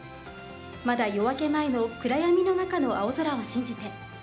まだ夜明け前の暗闇の中の青空を信じて。